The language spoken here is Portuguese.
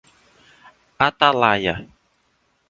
Atalaia